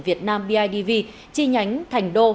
việt nam bidv chi nhánh thành đô